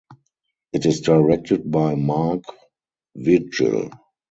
It is directed by Marc Vigil.